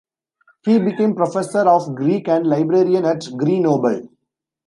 He became professor of Greek and librarian at Grenoble.